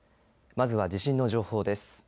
まずは地震の情報です。